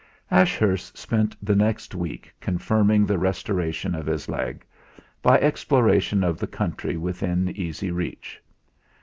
Ashurst spent the next week confirming the restoration of his leg, by exploration of the country within easy reach.